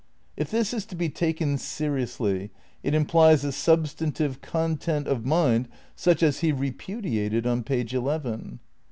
If this is to be taken seriously it implies a substantive content of mind such as he repudiated on page eleven.